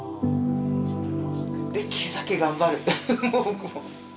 できるだけ頑張る僕も。